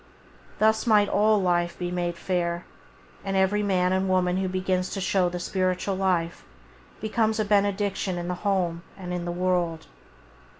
Thus might all life be made fair; and every man and woman who begins to show the spiritual life becomes a benediction in the home and in the world.